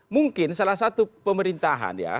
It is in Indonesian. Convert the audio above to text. mungkin salah satu pemerintahan ya